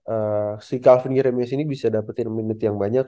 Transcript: eee si calvin nyerimia sih bisa dapetin minute yang banyak